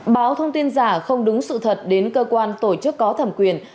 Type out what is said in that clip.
báo thông tin giả không đúng sự thật đến cơ quan tổ chức có thẩm quyền